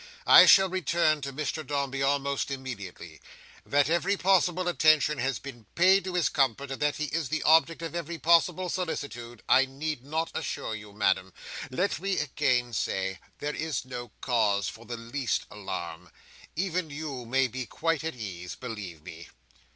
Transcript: I shall return to Mr Dombey almost immediately. That every possible attention has been paid to his comfort, and that he is the object of every possible solicitude, I need not assure you, Madam. Let me again say, there is no cause for the least alarm. Even you may be quite at ease, believe me."